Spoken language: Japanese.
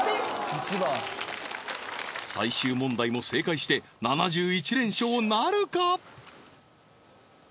１番最終問題も正解して７１連勝なるか？